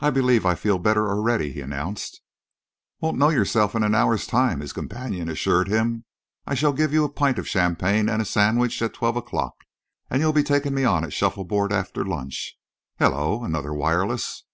"I believe I feel better already," he announced. "Won't know yourself in an hour's time," his companion assured him. "I shall give you a pint of champagne and a sandwich at twelve o'clock, and you'll be taking me on at shuffleboard after lunch. Hullo, another wireless!"